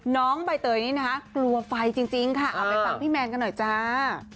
น้องใบเตยนี่นะคะกลัวไฟจริงค่ะเอาไปฟังพี่แมนกันหน่อยจ้า